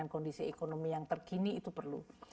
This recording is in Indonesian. dan kondisi ekonomi yang terkini itu perlu